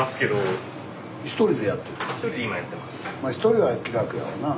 １人は気楽やわなあ。